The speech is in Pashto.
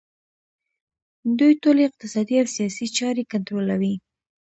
دوی ټولې اقتصادي او سیاسي چارې کنټرولوي